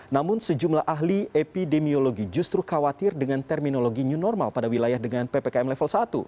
namun sejumlah ahli epidemiologi justru khawatir dengan terminologi new normal pada wilayah dengan ppkm level satu